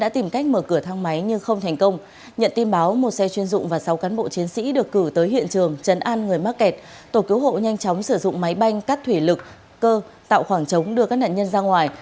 tổ cứu hộ nhanh chóng sử dụng máy banh cắt thủy lực cơ tạo khoảng trống đưa các nạn nhân ra ngoài